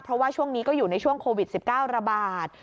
เพราะว่าช่วงนี้ก็อยู่ในช่วงโควิด๑๙ระบาด